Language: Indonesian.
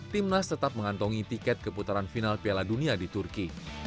timnas tetap mengantongi tiket keputaran final piala dunia di turki